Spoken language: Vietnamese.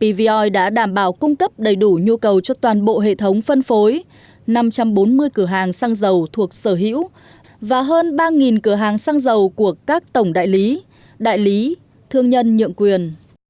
pvoi đã đảm bảo cung cấp đầy đủ nhu cầu cho toàn bộ hệ thống phân phối năm trăm bốn mươi cửa hàng xăng dầu thuộc sở hữu và hơn ba cửa hàng xăng dầu của các tổng đại lý đại lý thương nhân nhượng quyền